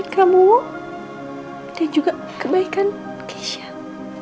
kebaikan kamu dan juga kebaikan keisyah